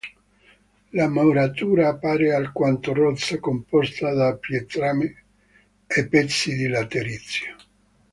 La muratura appare alquanto rozza, composta da pietrame e pezzi di laterizio.